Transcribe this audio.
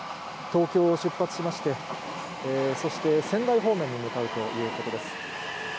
東京を出発しまして、そして仙台方面に向かうということです。